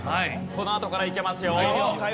このあとからいけますよ。